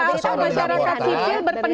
sesuara dengan luar tanah